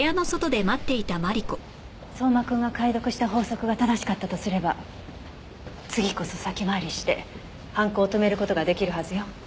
相馬くんが解読した法則が正しかったとすれば次こそ先回りして犯行を止める事が出来るはずよ。